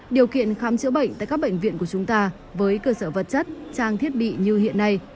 điều kiện khám chữa bệnh tại các bệnh viện của chúng ta với cơ sở vật chất trang thiết bị như hiện nay